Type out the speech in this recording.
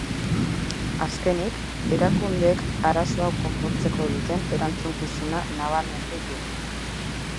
Azkenik, erakundeek arazo hau konpontzeko duten erantzukizuna nabarmendu du.